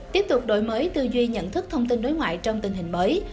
tiếp tục đổi mới tư duy nhận thức thông tin đối ngoại trong tình hình mới